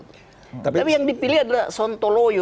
tapi yang dipilih adalah sontoloyo